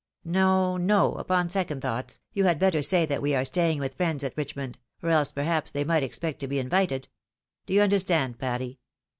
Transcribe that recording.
— No, no, upon second thoughts, you had better say that we are staying with friends at Richmond, or else perhaps they might expect to be invited. Do you understand, Patty?